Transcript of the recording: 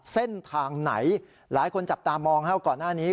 เส้นทางไหนหลายคนจับตามองก่อนหน้านี้